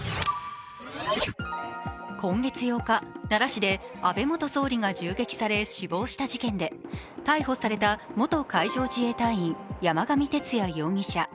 今月８日、奈良市で安倍元総理が銃撃され死亡した事件で逮捕された元海上自衛隊員、山上徹也容疑者。